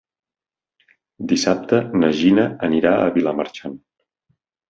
Dissabte na Gina anirà a Vilamarxant.